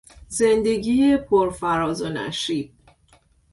زندگی پرفراز و نشیب